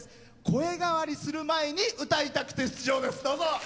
声変わりする前に歌いたくて出場です。